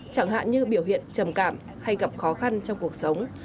chẳng hạn như biểu hiện trầm cảm hay gặp khó khăn trong cuộc sống